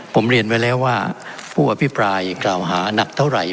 ผมเรียนไว้แล้วว่าผู้อภิปรายกล่าวหานักเท่าไหร่